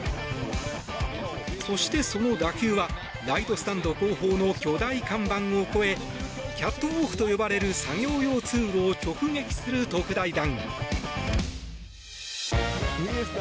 そして、その打球はライトスタンド後方の巨大看板を越えキャットウォークと呼ばれる作業用通路を直撃する特大弾。